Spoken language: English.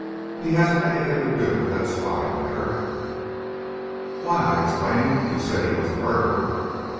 He hasn't anything to do with that spy matter!" "Why!" I exclaimed; "you said he was the murderer!"